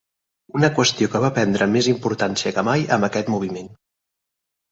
Una qüestió que va prendre més importància que mai amb aquest moviment.